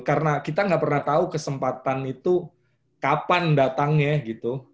karena kita ga pernah tau kesempatan itu kapan datangnya gitu